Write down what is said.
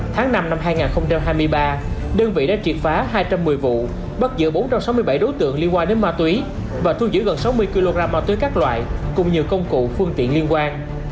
tháng năm năm hai nghìn hai mươi ba đơn vị đã triệt phá hai trăm một mươi vụ bắt giữ bốn trăm sáu mươi bảy đối tượng liên quan đến ma túy và thu giữ gần sáu mươi kg ma túy các loại cùng nhiều công cụ phương tiện liên quan